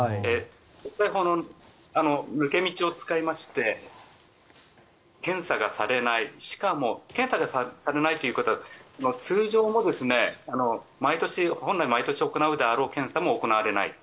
国際法の抜け道を使いまして検査がされない、しかも検査がされないということは通常も毎年、行われるような検査も行われない。